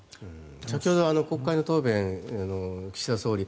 先ほど国会の答弁岸田総理。